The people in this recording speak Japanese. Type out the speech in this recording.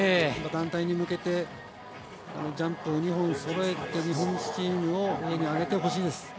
団体に向けてジャンプ２本そろえて日本チームを上に上げてほしいです。